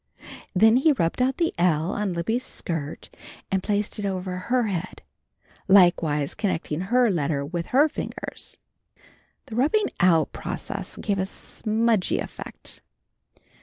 Then he rubbed out the L on Libby's skirt and placed it over her head, likewise connecting her letter with her fingers. The rubbing out process gave a smudgy effect.